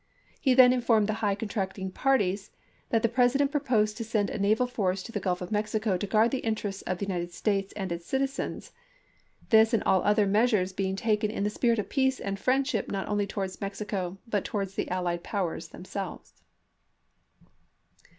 He then informed the high contracting parties that the President proposed to send a naval force to the Gulf of Mexico to guard the interests of the United States and its citizens ; this and all other measures being taken in the spirit of peace and friendship not only towards Mexico but towards the allied powers themselves.